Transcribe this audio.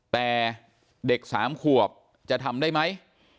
แต่เด็ก๓ขวบจะทำได้ไหม